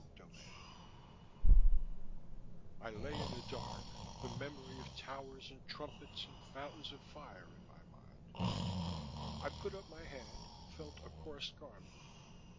CHAPTER X _I lay in the dark, the memory of towers and trumpets and fountains of fire in my mind. I put up my hand, felt a coarse garment.